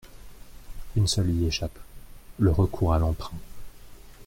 Une seule y échappe : le recours à l’emprunt.